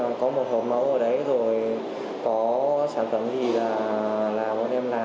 và nó không có giấy tờ của những sản phẩm đấy